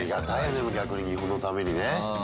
でも逆に日本のためにね。